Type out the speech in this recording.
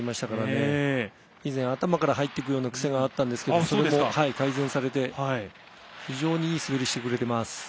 以前、頭から入ってくるような、くせがありましたが改善されて非常にいい滑りをしてくれています。